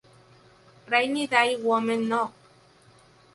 Rainy Day Women No.